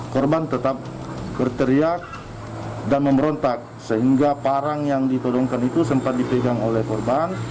korban tetap berteriak dan memberontak sehingga parang yang ditodongkan itu sempat dipegang oleh korban